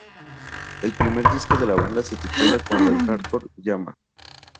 El primer disco de la banda se titula "Cuando el hardcore llama".